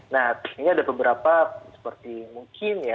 nah ini ada beberapa seperti mungkin ya